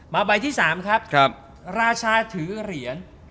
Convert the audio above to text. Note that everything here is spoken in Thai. ใบที่๓ครับราชาถือเหรียญ